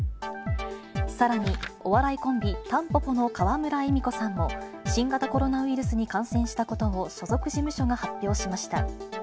さらにお笑いコンビ、たんぽぽの川村エミコさんも、新型コロナウイルスに感染したことを所属事務所が発表しました。